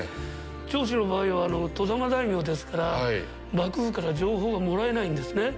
長州の場合は外様大名ですから、幕府から情報がもらえないんですね。